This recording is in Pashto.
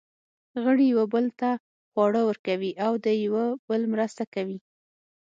غړي یوه بل ته خواړه ورکوي او د یوه بل مرسته کوي.